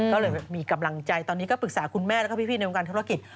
ก็เลยมีกำลังใจตอนนี้ก็ปรึกษาคุณแม่แล้วก็พี่ในวงการธุรกิจ